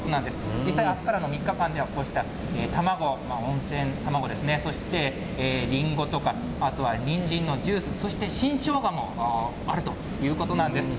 実際、あすからの３日間では、こうした卵、温泉卵ですね、そして、りんごとか、あとはにんじんのジュース、そして新しょうがもあるということなんです。